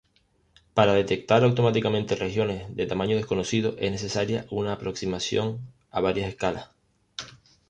Para detectar automáticamente regiones de tamaño desconocido es necesaria una aproximación a varias escalas.